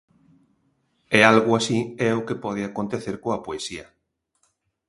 E algo así é o que pode acontecer coa poesía.